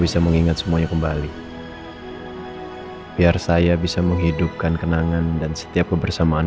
bisa mengingat semuanya kembali biar saya bisa menghidupkan kenangan dan setiap kebersamaan